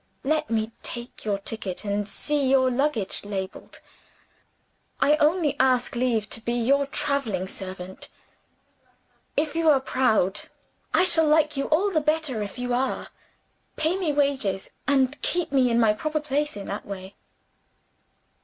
Let me take your ticket and see your luggage labeled: I only ask leave to be your traveling servant. If you are proud I shall like you all the better, if you are pay me wages, and keep me in my proper place in that way."